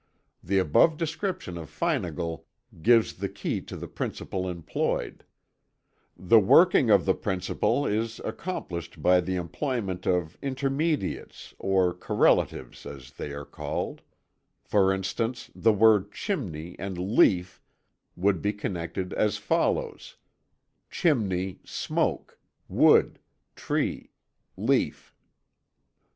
The above description of Feinagle gives the key to the principle employed. The working of the principle is accomplished by the employment of "intermediates" or "correlatives" as they are called; for instance, the words "chimney" and "leaf" would be connected as follows: "Chimney smoke wood tree Leaf."